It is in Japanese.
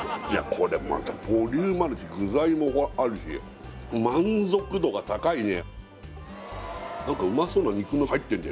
これまたボリュームあるし具材もあるし満足度が高いね